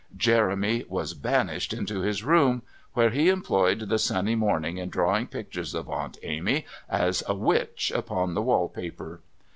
Jeremy was banished into his bedroom, where he employed the sunny morning in drawing pictures of Aunt Amy as a witch upon the wallpaper.